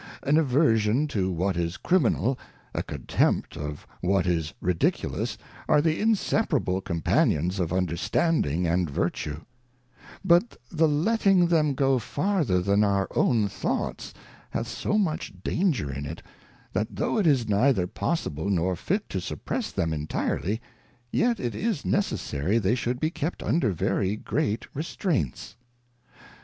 An Aversion to what is Criminal, a Contempt of what is ridiculous, are the inseparable Companions of Understanding and Vertue ; but the letting them go farther than our own Thoughts, hath so much danger in it, that though it is neither possible nor fit to suppress them intirely, yet k_is necessary they should be kept under very great Restraints.